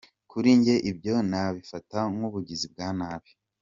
Kuri njye ibyo nabifata nk’ubugizi bwa nabi.